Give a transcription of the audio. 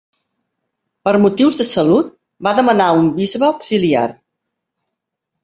Per motius de salut, va demanar un bisbe auxiliar.